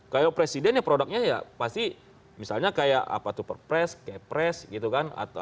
kalau presiden ya produknya ya pasti misalnya kayak apa tuh perpres kepres gitu kan